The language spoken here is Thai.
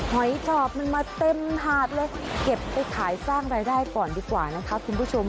หอยจอบมันมาเต็มหาดเลยเก็บไปขายสร้างรายได้ก่อนดีกว่านะคะคุณผู้ชม